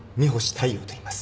大陽といいます。